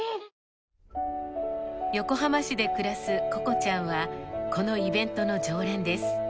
横浜市で暮らすここちゃんはこのイベントの常連です。